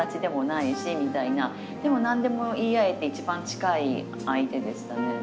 でも何でも言い合えて一番近い相手でしたね。